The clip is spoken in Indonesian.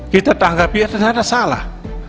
kita tanggapi ternyata salah